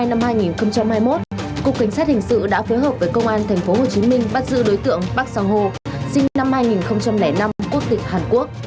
ngày một mươi chín tháng một mươi hai năm hai nghìn hai mươi một cục cảnh sát hình sự đã phối hợp với công an tp hcm bắt giữ đối tượng bác sàng hồ sinh năm hai nghìn năm quốc tịch hàn quốc